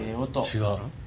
違う。